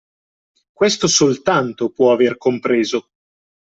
Questo soltanto può aver compreso!